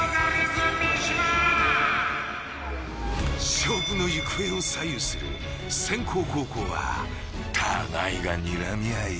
勝負の行方を左右する先攻後攻は互いがにらみ合い。